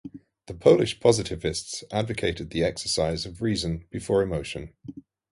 The Polish Positivists advocated the exercise of reason before emotion.